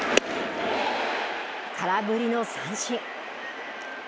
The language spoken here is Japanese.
空振りの三振。